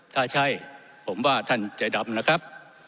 ถ้าใช่ผมว่าท่านใจดำนะครับ